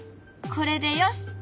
これでよし！